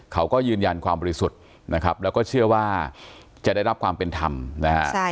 เขาก็ยืนยันความบริสุทธิ์นะครับแล้วก็เชื่อว่าจะได้รับความเป็นธรรมนะฮะ